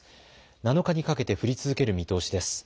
７日にかけて降り続ける見通しです。